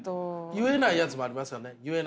言えないやつもありますよね言えない。